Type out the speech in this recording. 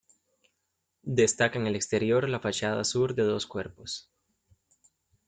Destaca en el exterior la fachada sur, de dos cuerpos.